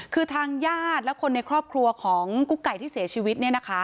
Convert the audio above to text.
คือทางญาติและคนในครอบครัวของกุ๊กไก่ที่เสียชีวิต